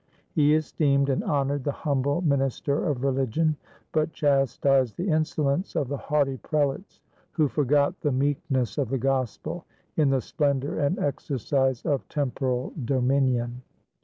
He esteemed and hon ored the humble minister of religion, but chastised the insolence of the haughty prelates, who forgot the meek ness of the Gospel, in the splendor and exercise of temporal dominion.